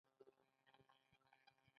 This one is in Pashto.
که څوک وغواړي زموږ په وړاندې دعوه وکړي